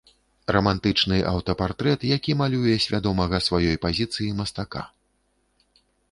Рамантычны аўтапартрэт, які малюе свядомага сваёй пазіцыі мастака.